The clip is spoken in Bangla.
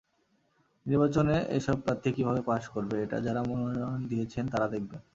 নির্বাচনে এসব প্রার্থী কীভাবে পাস করবে, এটা যাঁরা মনোনয়ন দিয়েছেন তাঁরা দেখবেন।